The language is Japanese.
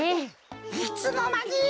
いつのまに！？